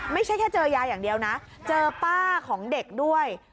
ไม่ใช่แค่เจอยายอย่างเดียวนะเจอป้าของเด็กด้วย